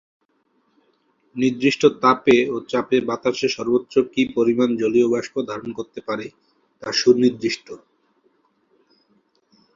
নির্দিষ্ট তাপে ও চাপে বাতাসে সর্বোচ্চ কি পরিমাণ জলীয় বাষ্প ধারণ করতে পারে তা সুনির্দিষ্ট।